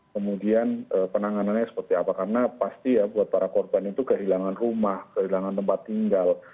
kemudian penanganannya seperti apa karena pasti ya buat para korban itu kehilangan rumah kehilangan tempat tinggal